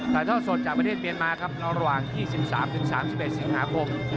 ท่อสดจากประเทศเมียนมาครับระหว่าง๒๓๓๑สิงหาคม